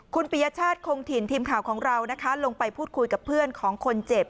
คุณปียชาติคงถิ่นทีมข่าวของเรานะคะลงไปพูดคุยกับเพื่อนของคนเจ็บ